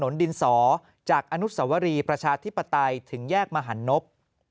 ดินสอจากอนุสวรีประชาธิปไตยถึงแยกมหันนบ